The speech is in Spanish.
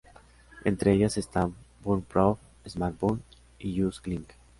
Entre ellas están Burn Prof., Smart Burn y Just Link.